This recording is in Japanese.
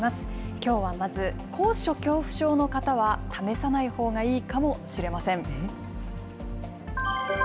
きょうはまず、高所恐怖症の方は試さないほうがいいかもしれません。